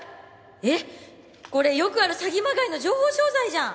えっこれよくある詐欺まがいの情報商材じゃん。